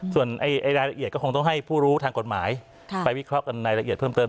ส่วนรายละเอียดก็คงต้องให้ผู้รู้ทางกฎหมายไปวิเคราะห์กันในละเอียดเพิ่มเติม